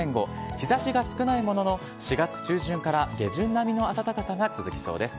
日ざしが少ないものの、４月中旬から下旬並みの暖かさが続きそうです。